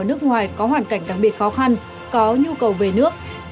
ở nước ngoài có hoàn cảnh đặc biệt khó khăn có nhu cầu về nước